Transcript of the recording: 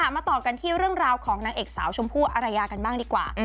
มาต่อกันที่เรื่องราวของนางเอกสาวชมพู่อารยากันบ้างดีกว่า